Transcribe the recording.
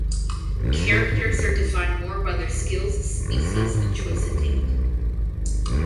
Characters are defined more by their skills, species and choice of deity